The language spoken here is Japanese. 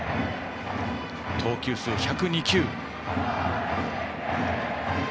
投球数は１０２球。